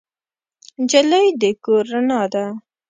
نجلۍ د کور رڼا ده.